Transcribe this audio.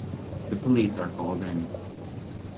The police are called in.